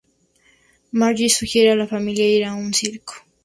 Marge sugiere a la familia ir a un circo.